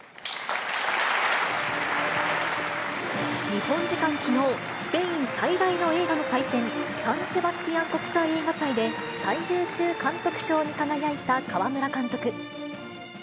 日本時間きのう、スペイン最大の映画の祭典、サン・セバスティアン国際映画祭で、最優秀監督賞に輝いた川村監督。